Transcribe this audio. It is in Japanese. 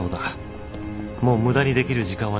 もう無駄にできる時間はない。